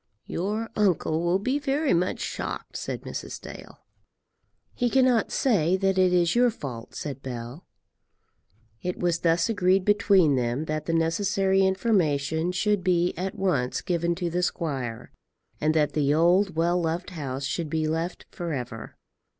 "Your uncle will be very much shocked," said Mrs. Dale. "He cannot say that it is your fault," said Bell. It was thus agreed between them that the necessary information should be at once given to the squire, and that the old, well loved house should be left for ever.